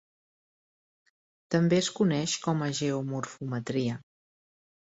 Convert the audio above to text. També es coneix com a geomorfometria.